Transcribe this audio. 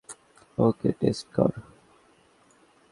ওকে test কর।